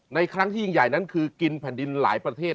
ครั้งที่ยิ่งใหญ่นั้นคือกินแผ่นดินหลายประเทศ